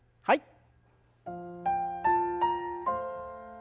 はい。